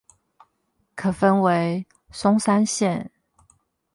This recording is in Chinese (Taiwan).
可分為松山線